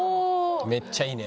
めっちゃいいね。